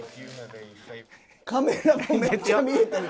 カメラもめっちゃ見えてる。